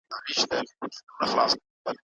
مرغۍ په خپله بې وسۍ کې یو تاریخي عدالت رامنځته کړ.